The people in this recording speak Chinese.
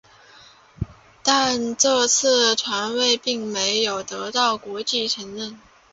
但这次传位并没有得到国际承认。